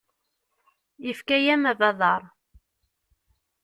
Yefka-yam abadaṛ.